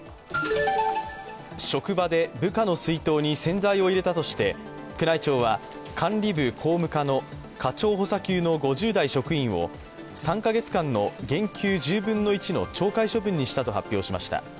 職場で部下の水筒に洗剤を入れたとして宮内庁は管理部工務課の課長補佐級の５０代職員を３カ月間の減給１０分の１の懲戒処分にしたと発表しました。